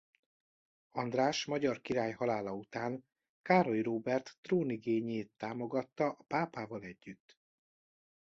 András magyar király halála után Károly Róbert trónigényét támogatta a pápával együtt.